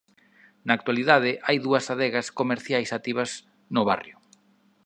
Na actualidade hai dúas adegas comerciais activas no barrio.